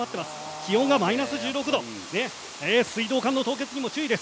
気温はマイナス１６と水道管の凍結にも注意です。